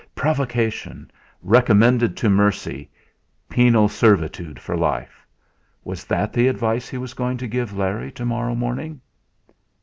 Provocation! Recommended to mercy penal servitude for life! Was that the advice he was going to give Larry to morrow morning?